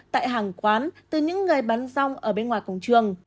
tại hàng quán từ những người bán rong ở bên ngoài cổng trường